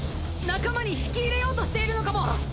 仲間に引き入れようとしているのかも。